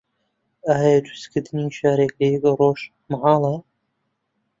ئایا دروستکردنی شارێک لە یەک ڕۆژ مەحاڵە؟